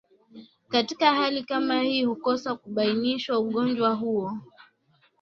katika hali kama hii hukosa kubainishwa Ugonjwa huo